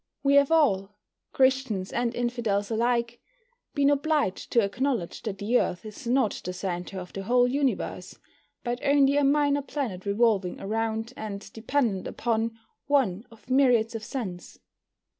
We have all, Christians and Infidels alike, been obliged to acknowledge that the Earth is not the centre of the whole Universe, but only a minor planet revolving around, and dependent upon, one of myriads of suns.